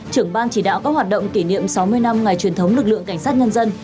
trưởng ban chỉ đạo các hoạt động kỷ niệm sáu mươi năm ngày truyền thống lực lượng cảnh sát nhân dân